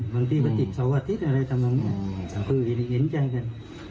บางทีก็ติดเสาร์อาทิตย์อะไรทำนองนี้คือเห็นใจกัน